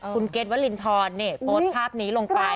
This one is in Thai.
คุณเกศวลินทรเนี่ยโพสภาพนี้ลงไป